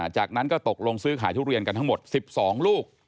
จากนั้นก็ตกลงซื้อขายทุเรียนกันทั้งหมด๑๒ลูก